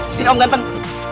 sini om ganteng